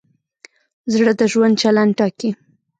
زړه د ژوند چلند ټاکي.